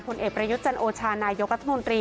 ผลเอกประยุทธ์จันโอชานายกรัฐมนตรี